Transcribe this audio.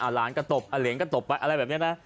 หลานก็ตบอเหลงก็ตบไปอะไรแบบนี้นะ